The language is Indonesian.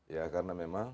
ya karena memang